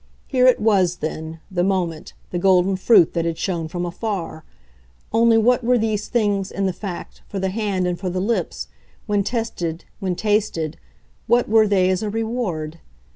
Here it was, then, the moment, the golden fruit that had shone from afar; only, what were these things, in the fact, for the hand and for the lips, when tested, when tasted what were they as a reward?